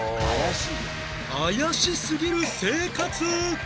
怪しすぎる生活